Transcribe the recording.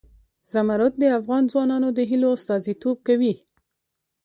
زمرد د افغان ځوانانو د هیلو استازیتوب کوي.